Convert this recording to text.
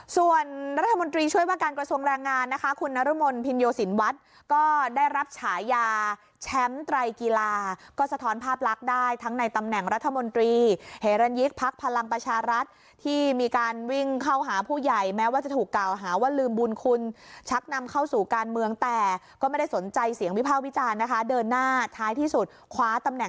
ส่วนรัฐมนตรีช่วยบ้างการกระทรวงแลงงานนะคะคุณนรมนภินโยศิลป์วัดก็ได้รับฉายาแชมป์ไตรกีฬาก็สะท้อนภาพลักษณ์ได้ทั้งในตำแหน่งรัฐมนตรีเหรนยิคพักพลังประชารัฐที่มีการวิ่งเข้าหาผู้ใหญ่แม้ว่าจะถูกกล่าวหาว่าลืมบุญคุณชักนำเข้าสู่การเมืองแต่ก็ไม่ได้สนใจเสียงวิพา